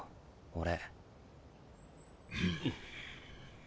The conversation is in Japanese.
俺。